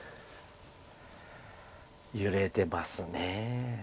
揺れてます。